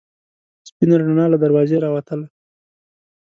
سپینه رڼا له دروازې راوتله.